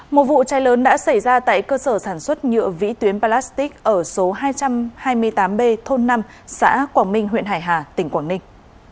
một vụ cháy lớn đã xảy ra tại cơ sở sản xuất nhựa vĩ tuyến palastic ở số hai trăm hai mươi tám b thôn năm xã quảng minh huyện hải hà tỉnh quảng ninh